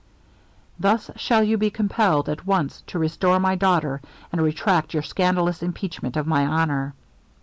Thus shall you be compelled at once to restore my daughter and retract your scandalous impeachment of my honor.'